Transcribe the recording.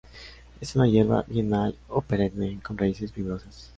Es una hierba bienal o perenne, con raíces fibrosas.